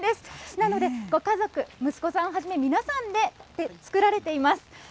なので、ご家族、息子さんはじめ、皆さんで作られています。